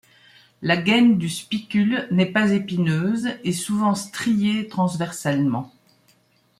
La gaine du spicule n'est pas épineuse et souvent striée transversalement.